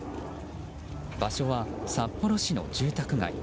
場所は札幌市の住宅街。